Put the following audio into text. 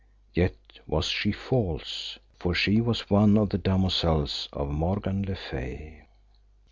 Yet was she false, for she was one of the damosels of Morgan le Fay.